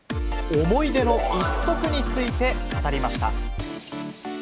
思い出の一足について語りま